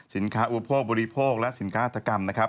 สินค้าอัวโภคบุรีโภคและสินค้าอัตกรรมนะครับ